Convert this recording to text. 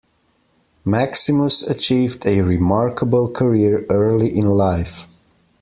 Maximus achieved a remarkable career early in life.